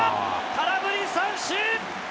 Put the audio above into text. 空振り三振！